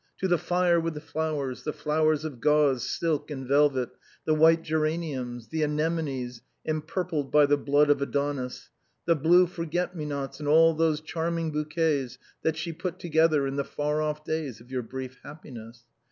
To the fire with the flow ers, the flowers of gauze, silk and velvet, the white gera niums, the anemones empurpled by the blood of Adonis, the blue forget me nots and all those charming bouquets that she put together in the far off days of your brief happiness.